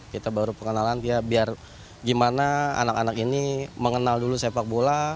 kita baru pengenalan ya biar gimana anak anak ini mengenal dulu sepak bola